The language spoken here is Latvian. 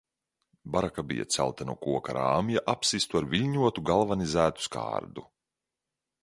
Baraka bija celta no koka rāmja, apsistu ar viļņotu, galvanizētu skārdu.